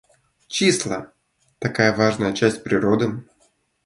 Числа, такая важная часть природы!